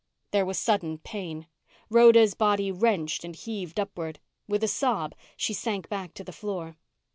_ There was sudden pain. Rhoda's body wrenched and heaved upward. With a sob, she sank back to the floor.